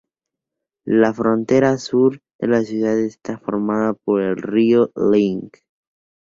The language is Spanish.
La frontera sur de la ciudad está formada por el río Linge.